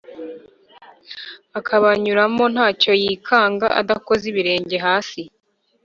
akabanyuramo nta cyo yikanga, adakoza ibirenge hasi.